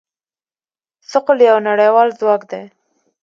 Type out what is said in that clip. ثقل یو نړیوال ځواک دی.